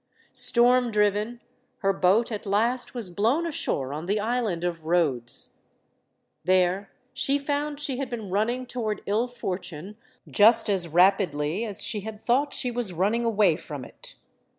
Storm driven, her boat at last was blown ashore on the island of Rhodes. There she found she had been running toward ill fortune just as rapidly as she had thought she was running away from it.